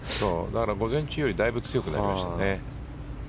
午前中よりだいぶ強くなりましたね。